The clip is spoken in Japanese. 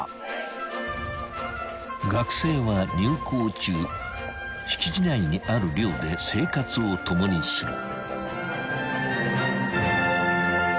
［学生は入校中敷地内にある寮で生活を共にする］